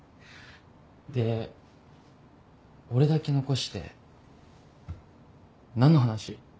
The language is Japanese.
で俺だけ残して何の話？